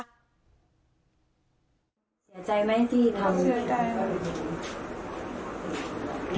เชื่อใจไหมที่ทำเชื่อใจ